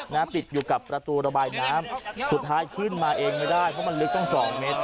ติดอยู่กับประตูระบายน้ำสุดท้ายขึ้นมาเองไม่ได้เพราะมันลึกตั้งสองเมตร